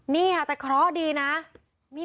มีคนเสียชีวิตคุณ